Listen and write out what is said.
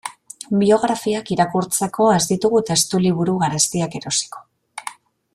Biografiak irakurtzeko ez ditugu testuliburu garestiak erosiko.